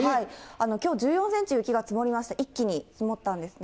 きょう、１４センチ雪が積もりまして、一気に積もったんですね。